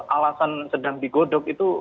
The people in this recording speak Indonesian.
alasan sedang digodok itu